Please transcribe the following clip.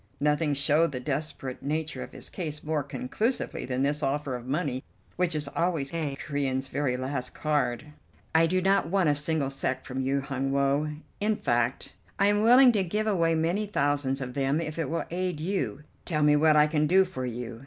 Nothing showed the desperate nature of his case more conclusively than this offer of money, which is always a Corean's very last card. "I do not want a single sek from you, Hun Woe; in fact I am willing to give away many thousands of them if it will aid you. Tell me what I can do for you.